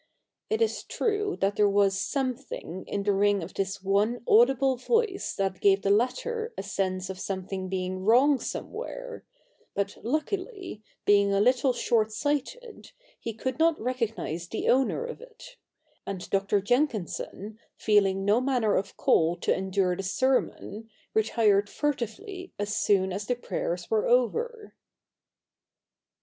It is true that there was something in the ring of this one audible voice that gave the latter a sense of something being wrong somewhere : but luckily, being a little short sighted, he could not recognise the owner of it : and Dr. Jenkinson, feehng no manner of call to endure the sermon, retired furtively as soon as the prayers were over.